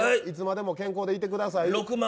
いつまでも健康でいてください。